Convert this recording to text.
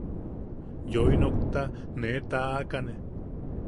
Yoinokta ne taʼakane.